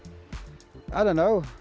saya tidak tahu